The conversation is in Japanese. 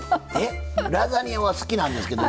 ラザニアは好きなんですけど。